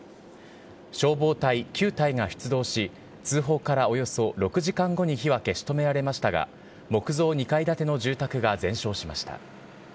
消防隊９隊が出動し、通報からおよそ６時間後に火は消し止められましたが、木造２階建ての住宅が全焼しました。